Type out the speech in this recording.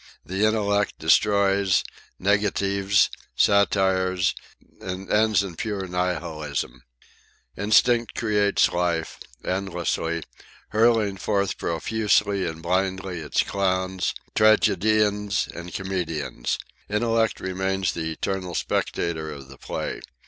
The Intellect destroys, negatives, satirizes and ends in pure nihilism, instinct creates life, endlessly, hurling forth profusely and blindly its clowns, tragedians and comedians. Intellect remains the eternal spectator of the play.